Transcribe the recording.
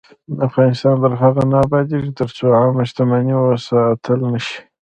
افغانستان تر هغو نه ابادیږي، ترڅو عامه شتمني وساتل نشي.